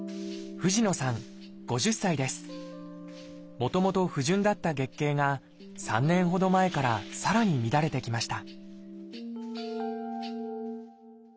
もともと不順だった月経が３年ほど前からさらに乱れてきました